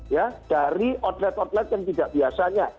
ya dari outlet outlet yang tidak biasanya